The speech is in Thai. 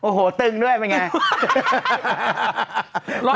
โอ้โฮตึงด้วยเป็นอย่างไร